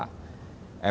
kita harus menyesuaikan